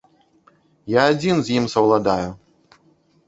Я адзін з ім саўладаю.